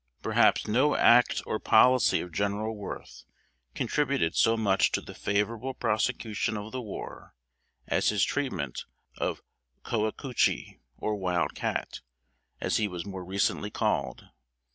Perhaps no act or policy of General Worth contributed so much to the favorable prosecution of the war, as his treatment of Coacoochee, or Wild Cat, as he was more recently called.